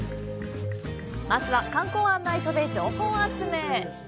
まずは、観光案内所で情報集め。